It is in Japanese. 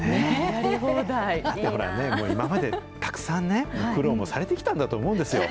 今までたくさんね、苦労もされてきたんだと思うんですよ。